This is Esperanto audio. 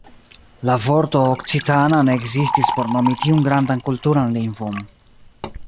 La vorto "okcitana" ne ekzistis por nomi tiun grandan kulturan lingvon.